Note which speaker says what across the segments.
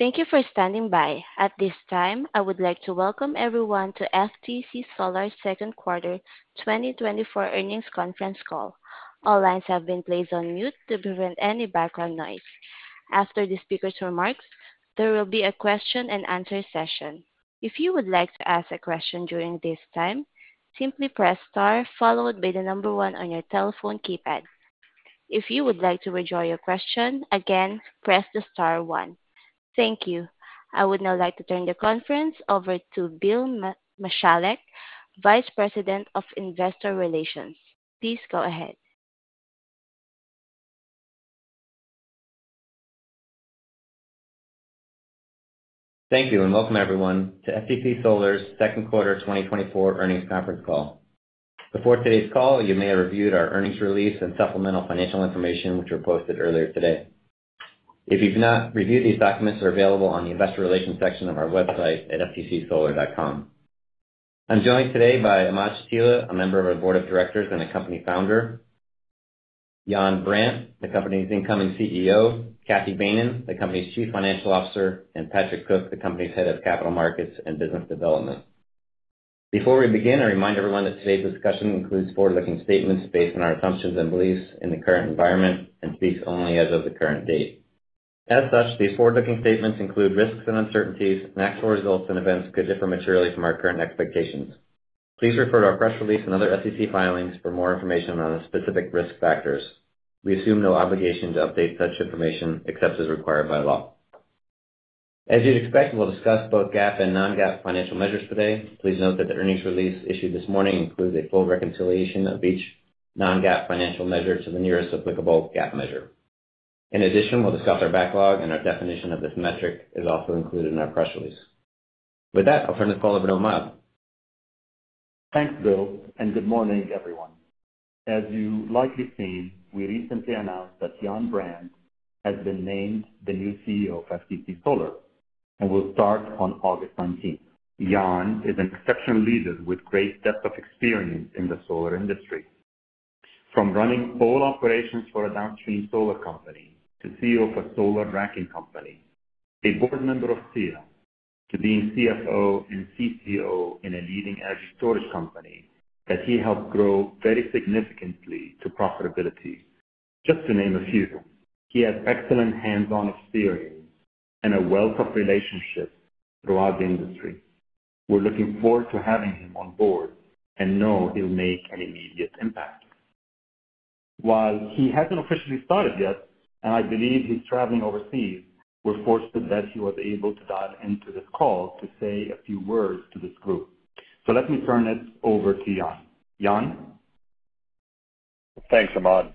Speaker 1: Thank you for standing by. At this time, I would like to welcome everyone to FTC Solar's Second Quarter 2024 Earnings Conference Call. All lines have been placed on mute to prevent any background noise. After the speaker's remarks, there will be a question and answer session. If you would like to ask a question during this time, simply press star followed by the number one on your telephone keypad. If you would like to withdraw your question again, press the star one. Thank you. I would now like to turn the conference over to Bill Michalek, Vice President of Investor Relations. Please go ahead.
Speaker 2: Thank you, and welcome everyone to FTC Solar's second quarter 2024 earnings conference call. Before today's call, you may have reviewed our earnings release and supplemental financial information, which were posted earlier today. If you've not reviewed, these documents are available on the investor relations section of our website at ftcsolar.com. I'm joined today by Ahmad Chatila, a member of our board of directors and a company founder, Yann Brandt, the company's incoming CEO, Cathy Behnen, the company's Chief Financial Officer, and Patrick Cook, the company's Head of Capital Markets and Business Development. Before we begin, I remind everyone that today's discussion includes forward-looking statements based on our assumptions and beliefs in the current environment and speaks only as of the current date. As such, these forward-looking statements include risks and uncertainties, and actual results and events could differ materially from our current expectations. Please refer to our press release and other SEC filings for more information on the specific risk factors. We assume no obligation to update such information, except as required by law. As you'd expect, we'll discuss both GAAP and non-GAAP financial measures today. Please note that the earnings release issued this morning includes a full reconciliation of each non-GAAP financial measure to the nearest applicable GAAP measure. In addition, we'll discuss our backlog, and our definition of this metric is also included in our press release. With that, I'll turn the call over to Ahmad.
Speaker 3: Thanks, Bill, and good morning, everyone. As you've likely seen, we recently announced that Yann Brandt has been named the new CEO of FTC Solar and will start on August nineteenth. Jan is an exceptional leader with great depth of experience in the solar industry, from running all operations for a downstream solar company to CEO of a solar racking company, a board member of SEIA, to being CFO and CCO in a leading energy storage company that he helped grow very significantly to profitability, just to name a few. He has excellent hands-on experience and a wealth of relationships throughout the industry. We're looking forward to having him on board and know he'll make an immediate impact. While he hasn't officially started yet, and I believe he's traveling overseas, we're fortunate that he was able to dial into this call to say a few words to this group. Let me turn it over to Yann. Yann?
Speaker 4: Thanks, Ahmad.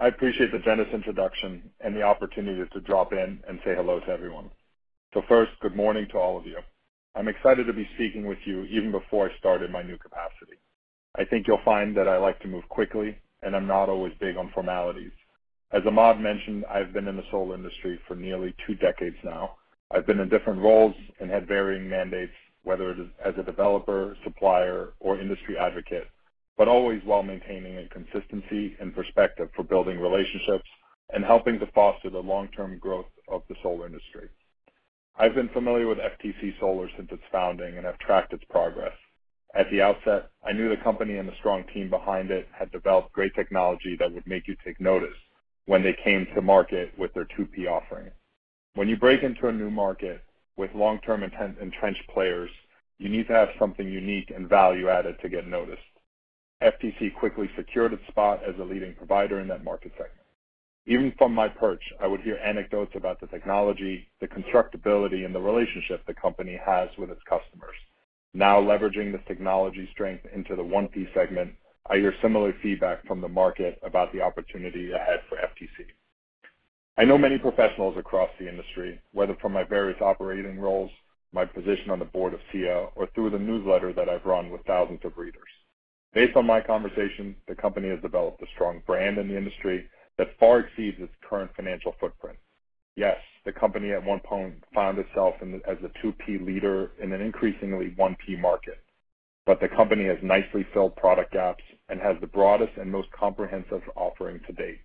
Speaker 4: I appreciate the generous introduction and the opportunity to drop in and say hello to everyone. So first, good morning to all of you. I'm excited to be speaking with you even before I started my new capacity. I think you'll find that I like to move quickly, and I'm not always big on formalities. As Ahmad mentioned, I've been in the solar industry for nearly two decades now. I've been in different roles and had varying mandates, whether it is as a developer, supplier, or industry advocate, but always while maintaining a consistency and perspective for building relationships and helping to foster the long-term growth of the solar industry. I've been familiar with FTC Solar since its founding and have tracked its progress. At the outset, I knew the company and the strong team behind it had developed great technology that would make you take notice when they came to market with their 2P offering. When you break into a new market with long-term intent and entrenched players, you need to have something unique and value-added to get noticed. FTC quickly secured its spot as a leading provider in that market segment. Even from my perch, I would hear anecdotes about the technology, the constructability, and the relationship the company has with its customers. Now, leveraging this technology strength into the 1P segment, I hear similar feedback from the market about the opportunity ahead for FTC. I know many professionals across the industry, whether from my various operating roles, my position on the board of SEIA, or through the newsletter that I've run with thousands of readers. Based on my conversations, the company has developed a strong brand in the industry that far exceeds its current financial footprint. Yes, the company at one point found itself in as a 2P leader in an increasingly 1P market, but the company has nicely filled product gaps and has the broadest and most comprehensive offering to date.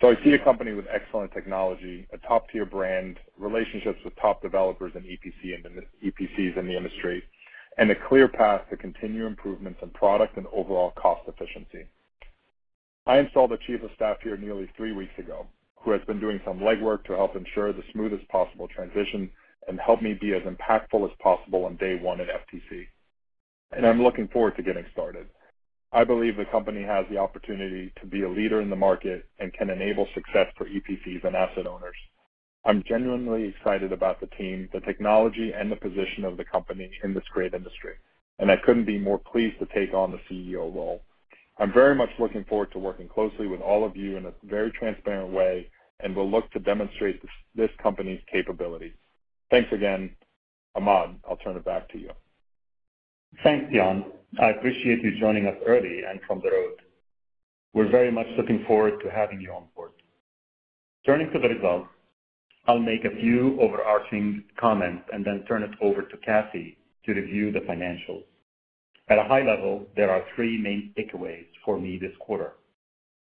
Speaker 4: So I see a company with excellent technology, a top-tier brand, relationships with top developers and EPC and EPCs in the industry, and a clear path to continue improvements in product and overall cost efficiency. I installed a chief of staff here nearly three weeks ago, who has been doing some legwork to help ensure the smoothest possible transition and help me be as impactful as possible on day one at FTC, and I'm looking forward to getting started. I believe the company has the opportunity to be a leader in the market and can enable success for EPCs and asset owners. I'm genuinely excited about the team, the technology, and the position of the company in this great industry, and I couldn't be more pleased to take on the CEO role. I'm very much looking forward to working closely with all of you in a very transparent way and will look to demonstrate this company's capabilities. Thanks again. Ahmad, I'll turn it back to you.
Speaker 3: Thanks, Yann. I appreciate you joining us early and from the road. We're very much looking forward to having you on board. Turning to the results, I'll make a few overarching comments and then turn it over to Kathy to review the financials. At a high level, there are three main takeaways for me this quarter...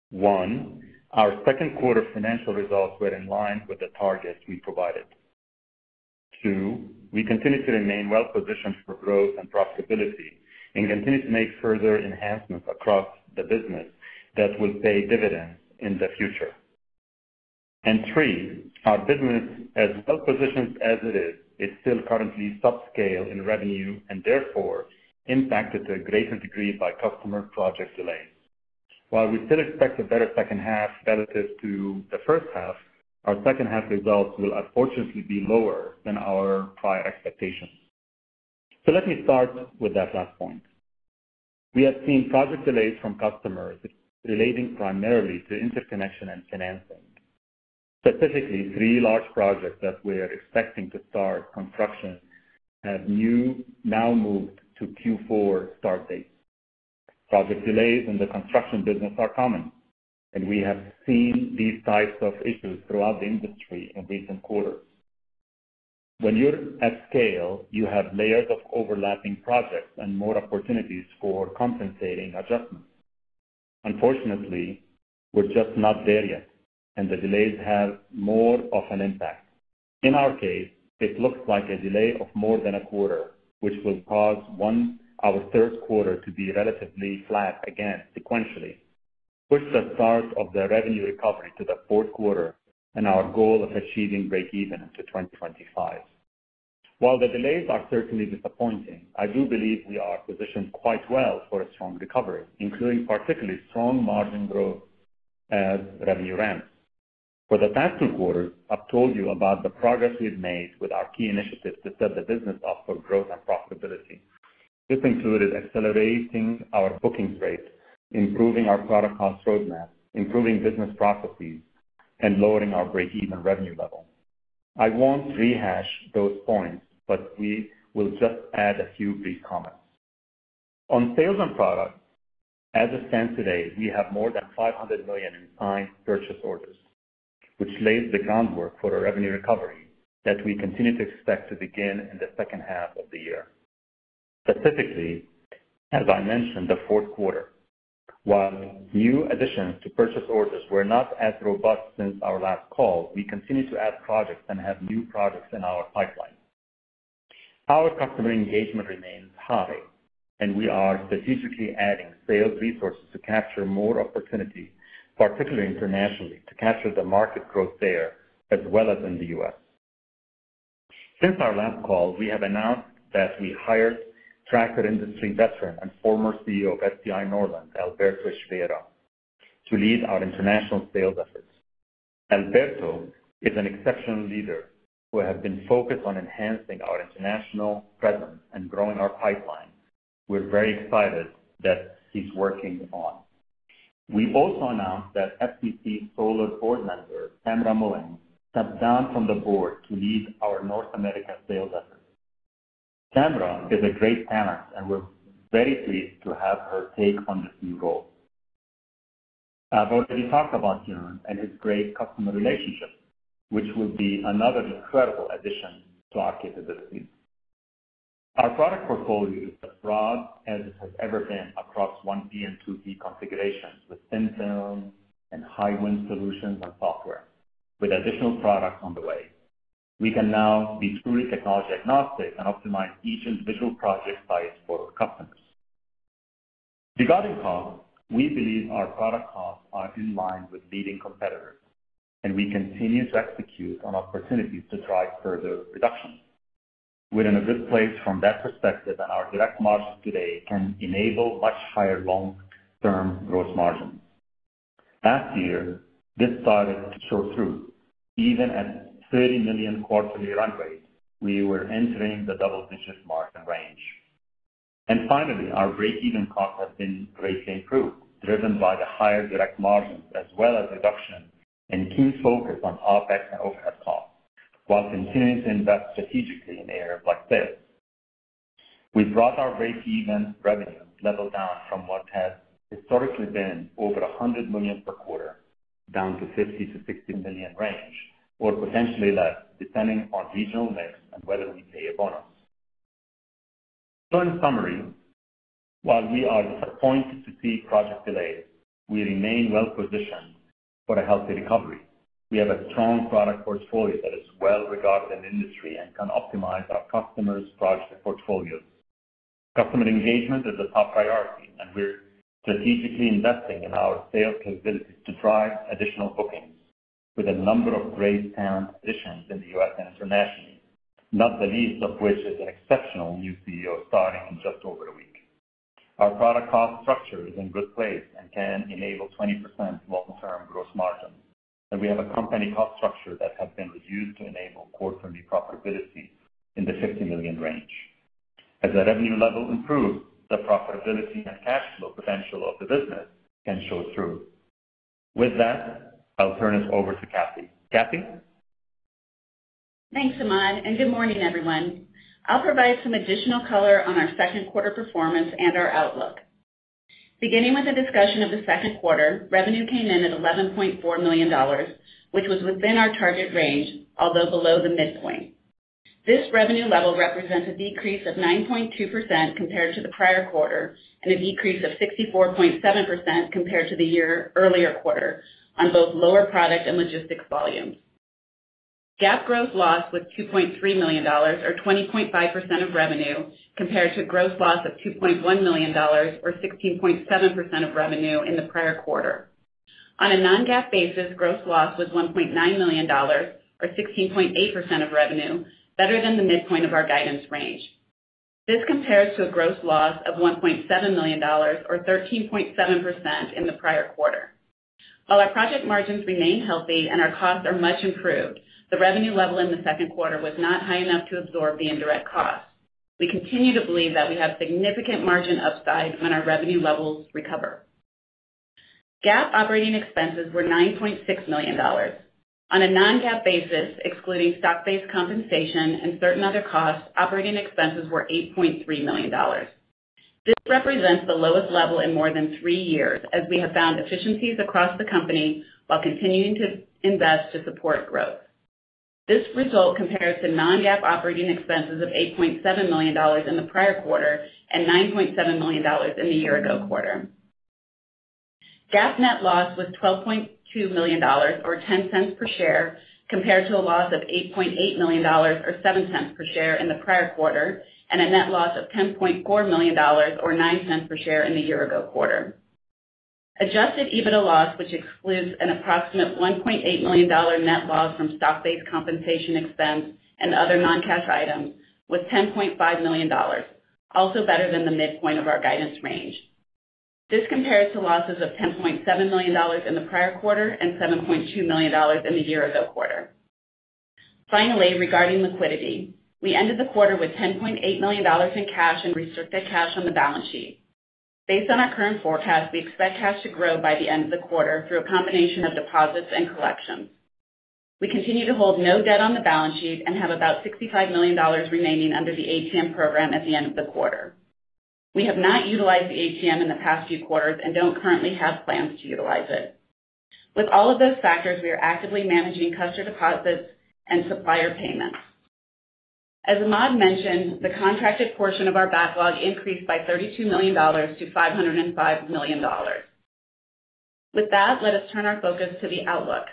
Speaker 3: One, our second quarter financial results were in line with the targets we provided. Two, we continue to remain well-positioned for growth and profitability, and continue to make further enhancements across the business that will pay dividends in the future. And three, our business, as well-positioned as it is, is still currently subscale in revenue, and therefore impacted to a greater degree by customer project delays. While we still expect a better second half relative to the first half, our second half results will unfortunately be lower than our prior expectations. So let me start with that last point. We have seen project delays from customers relating primarily to interconnection and financing. Specifically, three large projects that we are expecting to start construction have now moved to Q4 start dates. Project delays in the construction business are common, and we have seen these types of issues throughout the industry in recent quarters. When you're at scale, you have layers of overlapping projects and more opportunities for compensating adjustments. Unfortunately, we're just not there yet, and the delays have more of an impact. In our case, it looks like a delay of more than a quarter, which will cause, one, our third quarter to be relatively flat again sequentially, push the start of the revenue recovery to the fourth quarter, and our goal of achieving breakeven to 2025. While the delays are certainly disappointing, I do believe we are positioned quite well for a strong recovery, including particularly strong margin growth as revenue ramps. For the past two quarters, I've told you about the progress we've made with our key initiatives to set the business up for growth and profitability. This included accelerating our bookings rate, improving our product cost roadmap, improving business processes, and lowering our breakeven revenue level. I won't rehash those points, but we will just add a few brief comments. On sales and product, as it stands today, we have more than $500 million in signed purchase orders, which lays the groundwork for a revenue recovery that we continue to expect to begin in the second half of the year. Specifically, as I mentioned, the fourth quarter. While new additions to purchase orders were not as robust since our last call, we continue to add projects and have new projects in our pipeline. Our customer engagement remains high, and we are strategically adding sales resources to capture more opportunities, particularly internationally, to capture the market growth there as well as in the US. Since our last call, we have announced that we hired tracker industry veteran and former CEO of STI Norland, Alberto Oliveira, to lead our international sales efforts. Alberto is an exceptional leader who have been focused on enhancing our international presence and growing our pipeline. We're very excited that he's working on. We also announced that FTC Solar board member, Tamara Mullings, stepped down from the board to lead our North American sales efforts. Tamara is a great talent, and we're very pleased to have her take on this new role. I've already talked about Kieran and his great customer relationships, which would be another incredible addition to our capabilities. Our product portfolio is as broad as it has ever been across 1P and 2P configurations, with thin film and high wind solutions and software, with additional products on the way. We can now be truly technology agnostic and optimize each individual project site for our customers. Regarding costs, we believe our product costs are in line with leading competitors, and we continue to execute on opportunities to drive further reductions. We're in a good place from that perspective, and our direct margins today can enable much higher long-term gross margins. Last year, this started to show through. Even at $30 million quarterly run rates, we were entering the double-digit margin range. Finally, our breakeven cost has been greatly improved, driven by the higher direct margins as well as reduction and key focus on OpEx and overhead costs, while continuing to invest strategically in areas like this. We've brought our breakeven revenue level down from what has historically been over $100 million per quarter, down to $50 million-$60 million range, or potentially less, depending on regional mix and whether we pay a bonus. In summary, while we are disappointed to see project delays, we remain well positioned for a healthy recovery. We have a strong product portfolio that is well regarded in the industry and can optimize our customers' project portfolios. Customer engagement is a top priority, and we're strategically investing in our sales capabilities to drive additional bookings with a number of great talent positions in the U.S. and internationally, not the least of which is an exceptional new CEO, starting in just over a week. Our product cost structure is in good place and can enable 20% long-term gross margin, and we have a company cost structure that has been reduced to enable quarterly profitability in the $50 million range. As the revenue level improves, the profitability and cash flow potential of the business can show through. With that, I'll turn it over to Cathy. Cathy?
Speaker 5: Thanks, Ahmad, and good morning, everyone. I'll provide some additional color on our second quarter performance and our outlook. Beginning with a discussion of the second quarter, revenue came in at $11.4 million, which was within our target range, although below the midpoint.... This revenue level represents a decrease of 9.2% compared to the prior quarter, and a decrease of 64.7% compared to the year earlier quarter on both lower product and logistics volumes. GAAP gross loss was $2.3 million, or 20.5% of revenue, compared to a gross loss of $2.1 million or 16.7% of revenue in the prior quarter. On a non-GAAP basis, gross loss was $1.9 million, or 16.8% of revenue, better than the midpoint of our guidance range. This compares to a gross loss of $1.7 million or 13.7% in the prior quarter. While our project margins remain healthy and our costs are much improved, the revenue level in the second quarter was not high enough to absorb the indirect costs. We continue to believe that we have significant margin upside when our revenue levels recover. GAAP operating expenses were $9.6 million. On a non-GAAP basis, excluding stock-based compensation and certain other costs, operating expenses were $8.3 million. This represents the lowest level in more than three years, as we have found efficiencies across the company while continuing to invest to support growth. This result compares to non-GAAP operating expenses of $8.7 million in the prior quarter and $9.7 million in the year ago quarter. GAAP net loss was $12.2 million, or $0.10 per share, compared to a loss of $8.8 million or $0.07 per share in the prior quarter, and a net loss of $10.4 million, or $0.09 per share, in the year ago quarter. Adjusted EBITDA loss, which excludes an approximate $1.8 million dollar net loss from stock-based compensation expense and other non-cash items, was $10.5 million, also better than the midpoint of our guidance range. This compares to losses of $10.7 million in the prior quarter and $7.2 million in the year ago quarter. Finally, regarding liquidity, we ended the quarter with $10.8 million in cash and restricted cash on the balance sheet. Based on our current forecast, we expect cash to grow by the end of the quarter through a combination of deposits and collections. We continue to hold no debt on the balance sheet and have about $65 million remaining under the ATM program at the end of the quarter. We have not utilized the ATM in the past few quarters and don't currently have plans to utilize it. With all of those factors, we are actively managing customer deposits and supplier payments. As Ahmad mentioned, the contracted portion of our backlog increased by $32 million to $505 million. With that, let us turn our focus to the outlook.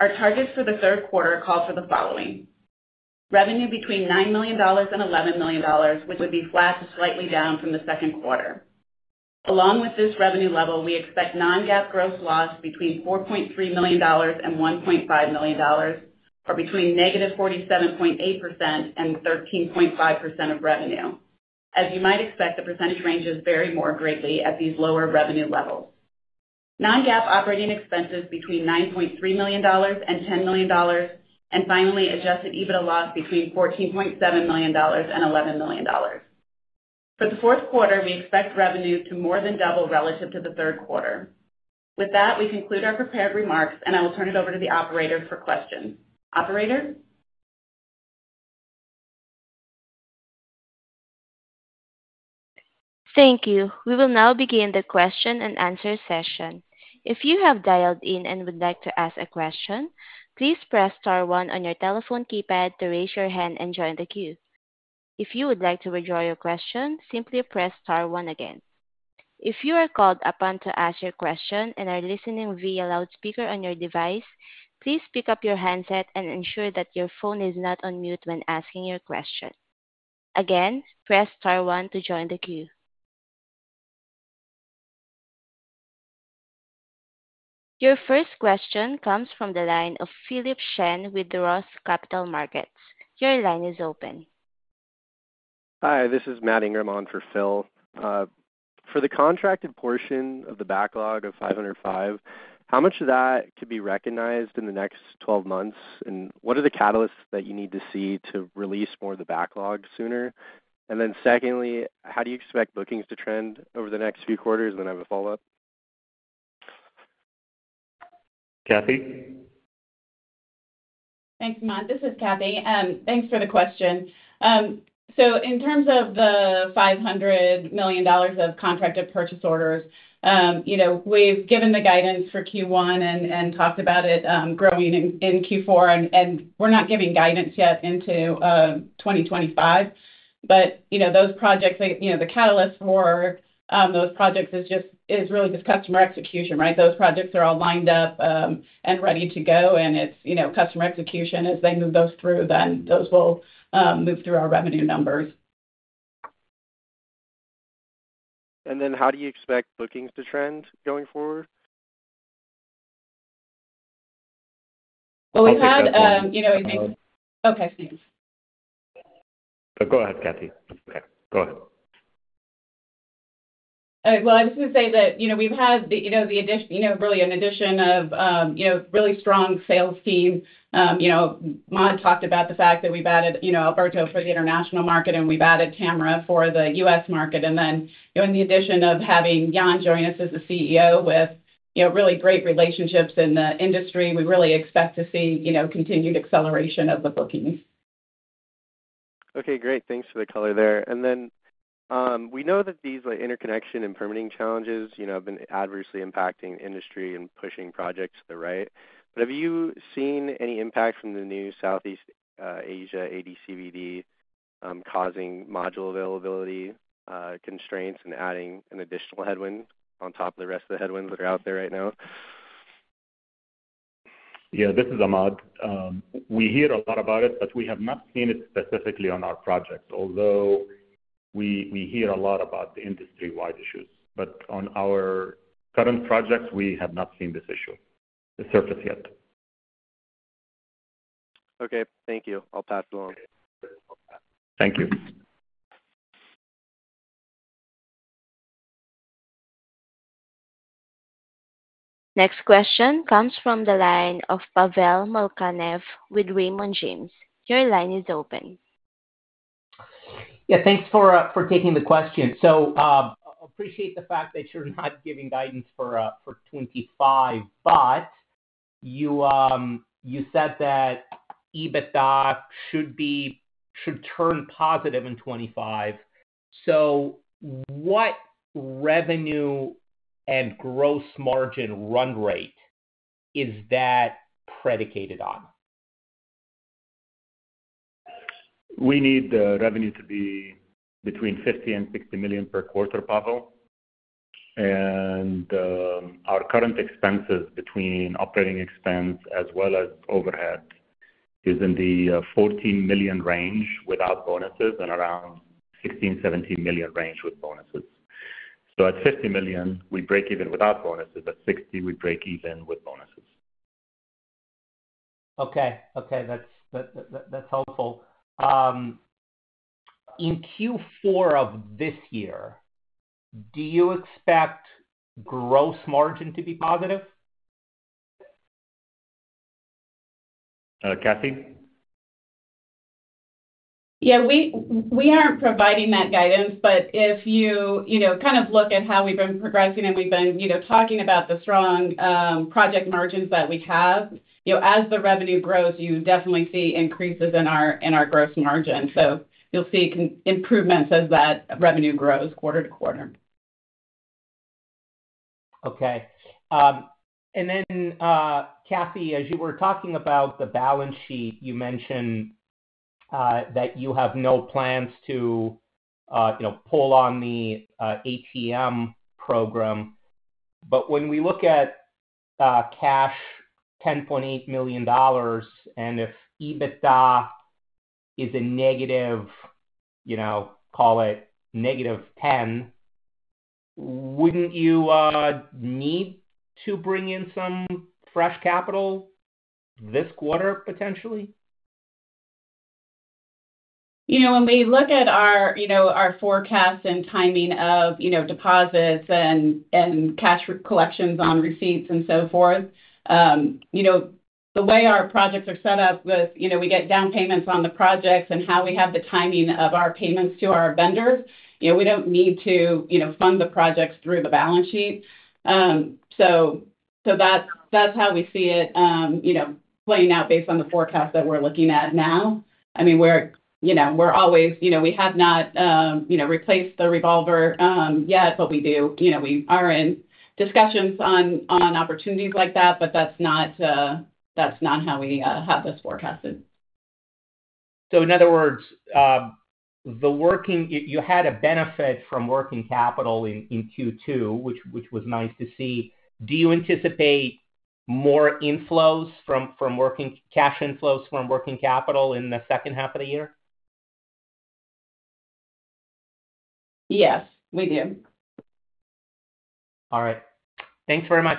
Speaker 5: Our targets for the third quarter call for the following: revenue between $9 million and $11 million, which would be flat to slightly down from the second quarter. Along with this revenue level, we expect non-GAAP gross loss between $4.3 million and $1.5 million, or between -47.8% and 13.5% of revenue. As you might expect, the percentage ranges vary more greatly at these lower revenue levels. Non-GAAP operating expenses between $9.3 million and $10 million, and finally, Adjusted EBITDA loss between $14.7 million and $11 million. For the fourth quarter, we expect revenue to more than double relative to the third quarter. With that, we conclude our prepared remarks, and I will turn it over to the operator for questions. Operator?
Speaker 1: Thank you. We will now begin the question and answer session. If you have dialed in and would like to ask a question, please press star one on your telephone keypad to raise your hand and join the queue. If you would like to withdraw your question, simply press star one again. If you are called upon to ask your question and are listening via loudspeaker on your device, please pick up your handset and ensure that your phone is not on mute when asking your question. Again, press star one to join the queue. Your first question comes from the line of Philip Shen with Roth Capital Partners. Your line is open.
Speaker 6: Hi, this is Matt Ingram on for Phil. For the contracted portion of the backlog of $505 million, how much of that could be recognized in the next 12 months? And what are the catalysts that you need to see to release more of the backlog sooner? And then secondly, how do you expect bookings to trend over the next few quarters? And then I have a follow-up.
Speaker 3: Cathy?
Speaker 5: Thanks, Ahmad. This is Cathy, thanks for the question. So in terms of the $500 million of contracted purchase orders, you know, we've given the guidance for Q1 and talked about it growing in Q4, and we're not giving guidance yet into 2025. But, you know, those projects, like, you know, the catalyst for those projects is really just customer execution, right? Those projects are all lined up and ready to go, and it's, you know, customer execution. As they move those through, then those will move through our revenue numbers.
Speaker 6: How do you expect bookings to trend going forward?
Speaker 5: Well, we had, you know, we think... Okay, thanks.
Speaker 3: Go ahead, Cathy. Go ahead.
Speaker 5: All right. Well, I was going to say that, you know, we've had the, you know, the addition of, you know, really strong sales team. You know, Ahmad talked about the fact that we've added, you know, Alberto for the international market, and we've added Tamara for the U.S. market. And then, you know, in the addition of having Jan join us as the CEO with, you know, really great relationships in the industry, we really expect to see, you know, continued acceleration of the bookings.
Speaker 6: Okay, great. Thanks for the color there. And then, we know that these, like, interconnection and permitting challenges, you know, have been adversely impacting industry and pushing projects to the right. But have you seen any impact from the new Southeast Asia ADCVD, causing module availability constraints and adding an additional headwind on top of the rest of the headwinds that are out there right now?
Speaker 3: Yeah, this is Ahmad. We hear a lot about it, but we have not seen it specifically on our projects, although we hear a lot about the industry-wide issues. But on our current projects, we have not seen this issue surface yet.
Speaker 6: Okay, thank you. I'll pass along.
Speaker 3: Thank you.
Speaker 1: Next question comes from the line of Pavel Molchanov with Raymond James. Your line is open.
Speaker 7: Yeah, thanks for taking the question. So, appreciate the fact that you're not giving guidance for 2025, but you said that EBITDA should turn positive in 2025. So what revenue and gross margin run rate is that predicated on?
Speaker 3: We need the revenue to be between $50 million and $60 million per quarter, Pavel. Our current expenses between operating expense as well as overhead, is in the $14 million range without bonuses and around $16 million-$17 million range with bonuses. So at $50 million, we break even without bonuses. At $60 million, we break even with bonuses.
Speaker 7: Okay. That's helpful. In Q4 of this year, do you expect gross margin to be positive?
Speaker 3: Uh, Cathy?
Speaker 5: Yeah, we aren't providing that guidance, but if you, you know, kind of look at how we've been progressing and we've been, you know, talking about the strong project margins that we have, you know, as the revenue grows, you definitely see increases in our gross margin. So you'll see improvements as that revenue grows quarter to quarter.
Speaker 7: Okay. And then, Cathy, as you were talking about the balance sheet, you mentioned that you have no plans to, you know, pull on the ATM program. But when we look at cash $10.8 million, and if EBITDA is negative, you know, call it negative $10 million, wouldn't you need to bring in some fresh capital this quarter, potentially?
Speaker 5: You know, when we look at our, you know, our forecast and timing of, you know, deposits and cash collections on receipts and so forth, you know, the way our projects are set up with, you know, we get down payments on the projects and how we have the timing of our payments to our vendors, you know, we don't need to, you know, fund the projects through the balance sheet. So that's how we see it, you know, playing out based on the forecast that we're looking at now. I mean, we're, you know, we're always, you know, we have not, you know, replaced the revolver, yet, but we do. You know, we are in discussions on opportunities like that, but that's not how we have this forecasted.
Speaker 7: So in other words, you had a benefit from working capital in Q2, which was nice to see. Do you anticipate more cash inflows from working capital in the second half of the year?
Speaker 5: Yes, we do.
Speaker 7: All right. Thanks very much.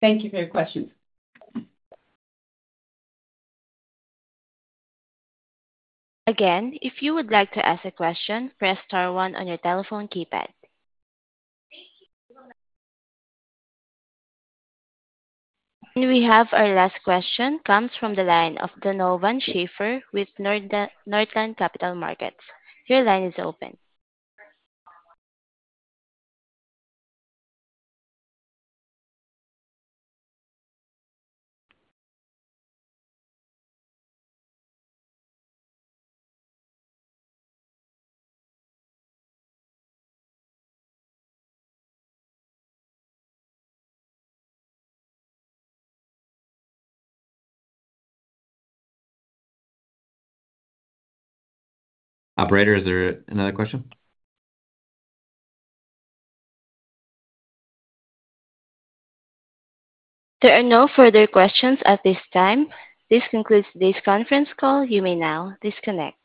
Speaker 5: Thank you for your questions.
Speaker 1: Again, if you would like to ask a question, press star one on your telephone keypad. We have our last question comes from the line of Donovan Schafer with Northland Capital Markets. Your line is open.
Speaker 3: Operator, is there another question?
Speaker 1: There are no further questions at this time. This concludes today's conference call. You may now disconnect.